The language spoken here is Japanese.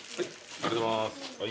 ありがとうございます。